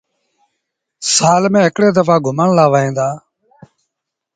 سآل ميݩ هڪڙي دڦآ گھمڻ لآ وهيݩ دآ۔